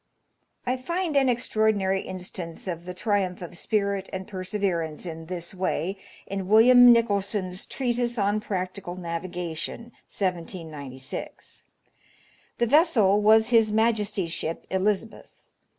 I find an extraordinary instance of the triumph of spirit and perseverance in this way in William Nichol son's "Treatise on Practical Navigation," 1796. The vessel was his Majesty's ship Elizabeth.